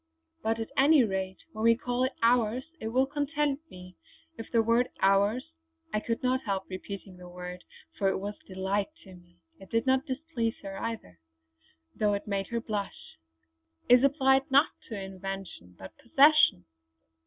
But at any rate when we call it 'ours' it will content me if the word 'ours'" I could not help repeating the word for it was delight to me; it did not displease her either, though it made her blush "is applied not to invention but to possession!"